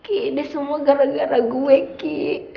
ini semua gara gara gue ki